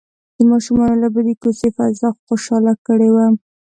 د ماشومانو لوبې د کوڅې فضا خوشحاله کړې وه.